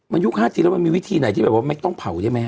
มันยุค๕ทีแล้วมันมีวิธีไหนที่ไม่ต้องเผาใช่ไหม